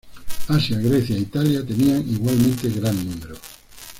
Asia, Grecia e Italia tenían igualmente gran número.